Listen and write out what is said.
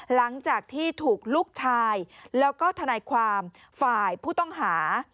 หลังจากที่ถูกลูกชายแล้วก็ทนายความฝ่ายผู้ต้องหา